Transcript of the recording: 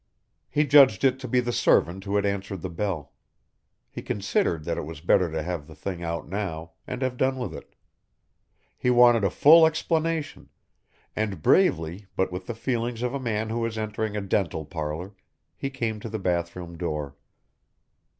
He judged it to be the servant who had answered the bell; he considered that it was better to have the thing out now, and have done with it. He wanted a full explanation, and bravely, but with the feelings of a man who is entering a dental parlour, he came to the bath room door.